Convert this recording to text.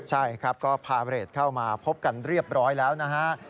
ใช่ครับก็พาเรทเข้ามาพบกันเรียบร้อยแล้วนะฮะ